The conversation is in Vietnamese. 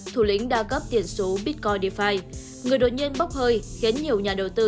thủ lĩnh đa cấp tiền số bitcoin defi người đột nhiên bốc hơi khiến nhiều nhà đầu tư